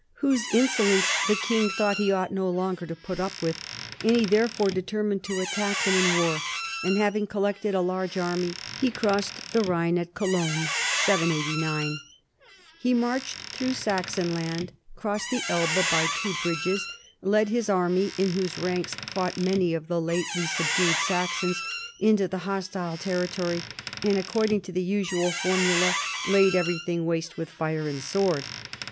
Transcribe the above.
Whose inso lence the king thought he ought no longer to put up with, and he therefore determined to attack them in war, and, having collected a large army, he crossed the Danube * at Cologne " (789). He marched through Saxon land, crossed the Elbe by two bridges, led his army (in whose ranks fought man}^ of the lately subdued Saxons), into the hos tile territory, and, according to the usual formula, laid everything waste with fire and sword.